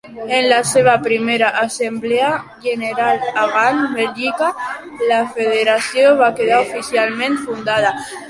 En la seva primera assemblea general a Gant, Bèlgica, la federació va quedar oficialment fundada.